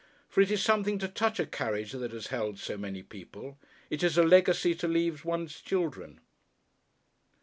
For it is something to touch a carriage that has held so many people. It is a legacy to leave one's children.